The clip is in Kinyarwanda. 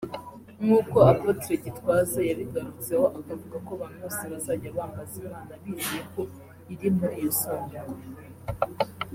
nk’uko Apotre Gitwaza yabigarutseho akavuga ko abantu bose bazajya bambaza Imana bizeye ko iri muri iyo sanduku